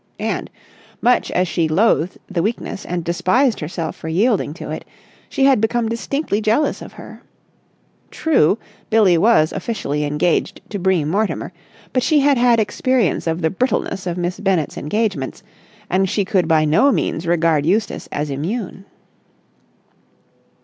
And, much as she loathed the weakness and despised herself for yielding to it, she had become distinctly jealous of her. True, Billie was officially engaged to Bream Mortimer, but she had had experience of the brittleness of Miss Bennett's engagements, and she could by no means regard Eustace as immune.